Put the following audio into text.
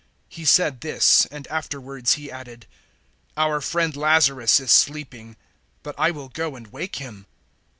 011:011 He said this, and afterwards He added, "Our friend Lazarus is sleeping, but I will go and wake him."